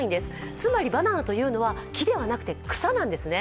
つまりバナナというのは木ではなくて草なんですね。